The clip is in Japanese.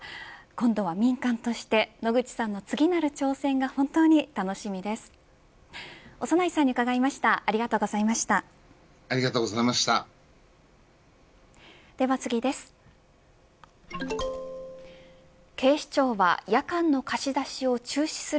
今度は民間として野口さんの次なる挑戦が本当に楽しみです。